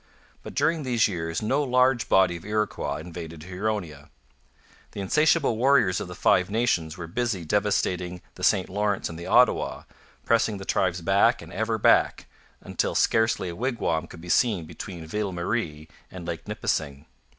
But during these years no large body of Iroquois invaded Huronia. The insatiable warriors of the Five Nations were busy devastating the St Lawrence and the Ottawa, pressing the tribes back and ever back, until scarcely a wigwam could be seen between Ville Marie and Lake Nipissing.